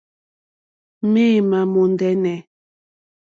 Méǃémà mòndɛ́nɛ̀.